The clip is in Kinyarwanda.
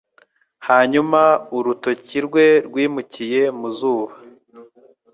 Hanyuma urutoki rwe rwimukiye mu zuba,